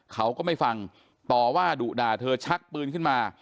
เขาก็ไม่ฟังต่อว่าดุด่าเธอชักปืนขึ้นมา